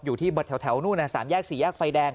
อยู่ที่แถวนู่น๓แยก๔แยกไฟแดง